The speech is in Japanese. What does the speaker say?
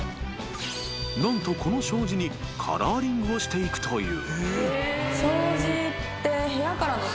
［何とこの障子にカラーリングをしていくという］